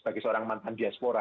sebagai seorang mantan diaspora